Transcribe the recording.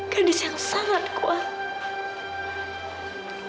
gadis yang sangat kuat